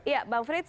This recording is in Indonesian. ya bang frits